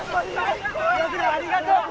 岩倉ありがとう。